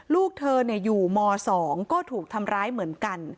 ลูกเธออยู่ม๒ก็ถูกทำร้ายเหมือนกัน